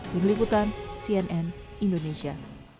dini liputan cnn indonesia